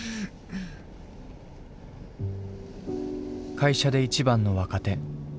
会社で一番の若手。